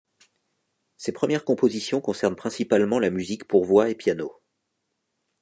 Ses premières compositions concernent principalement la musique pour voix et piano.